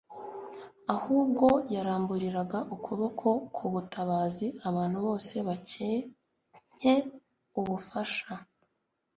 Ahubwo yaramburiraga ukuboko k’ubutabazi abantu bose bakencye ubufasha.